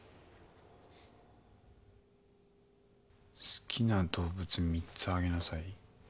好きな動物３つあげなさい。